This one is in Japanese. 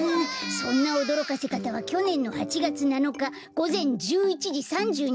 そんなおどろかせかたはきょねんの８がつ７かごぜん１１じ３２